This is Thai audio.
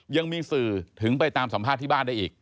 ยังมีสื่อถึงไปตามสัมภาษณ์ที่บ้านได้อีก